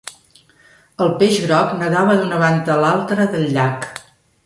El peix groc nadava d'una banda a l'altra del llac.